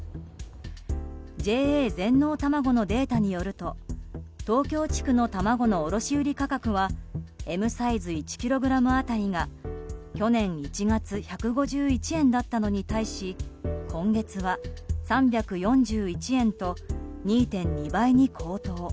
ＪＡ全農たまごのデータによると東京地区の卵の卸売価格はＭサイズ１ｋｇ当たりが去年１月１５１円だったのに対し今月は３４１円と２．２倍に高騰。